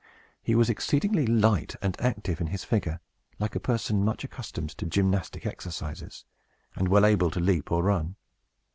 He was exceedingly light and active in his figure, like a person much accustomed to gymnastic exercises, and well able to leap or run.